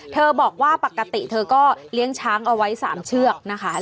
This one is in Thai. บอกว่าปกติเธอก็เลี้ยงช้างเอาไว้๓เชือกนะคะ